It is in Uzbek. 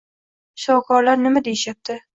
Shifokorlar nima deyishyapti